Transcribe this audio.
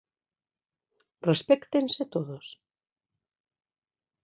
Respéctense todos.